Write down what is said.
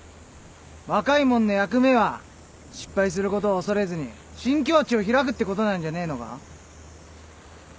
若いもんの役目は失敗することを恐れずに新境地を開くってことなんじゃねえのか？